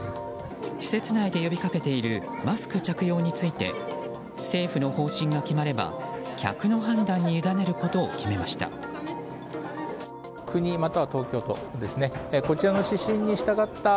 施設内で呼びかけているマスク着用について政府の方針が決まれば客の判断に委ねることを決めました。